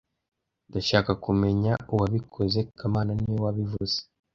Ndashaka kumenya uwabikoze kamana niwe wabivuze